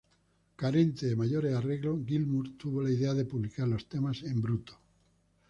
Carente de mayores arreglos, Gilmour tuvo la idea de publicar los temas en bruto.